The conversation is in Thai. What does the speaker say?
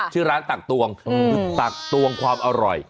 ชื่อร้านตักตวงคือตักตวงความอร่อย